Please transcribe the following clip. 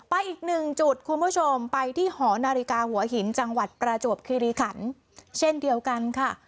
อีกหนึ่งจุดคุณผู้ชมไปที่หอนาฬิกาหัวหินจังหวัดประจวบคิริขันเช่นเดียวกันค่ะ